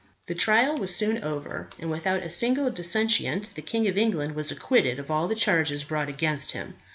The trial was soon over, and without a single dissentient the King of England was acquitted of all the charges brought against him.